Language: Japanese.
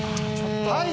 はい！